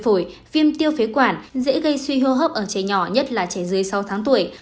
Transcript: phổi viêm tiêu phế quản dễ gây suy hô hấp ở trẻ nhỏ nhất là trẻ dưới sáu tháng tuổi